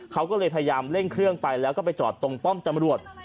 เขาก็เลยพยายามเร่งเครื่องไปแล้วก็ไปจอดตรงป้อมตำรวจ